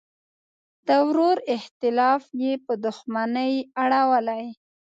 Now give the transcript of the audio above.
د ورور اختلاف یې په دوښمنۍ اړولی.